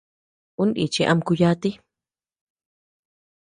Ú nichi ama kú yati.